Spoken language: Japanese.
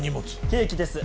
ケーキです。